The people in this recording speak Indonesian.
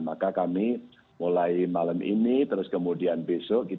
maka kami mulai malam ini terus kemudian besok